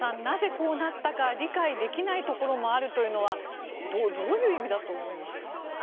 なぜこうなったか理解できないところもあるというのはどういう意味だと思いますか？